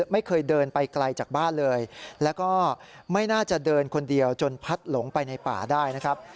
ไม่เคยเดินไปไกลจากบ้านเลยแล้วก็ไม่น่าจะเดินคนเดียวจนพัดหลงไปในป่าได้นะครับ